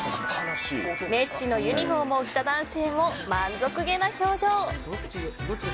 メッシのユニホームを着た男性も満足げな表情。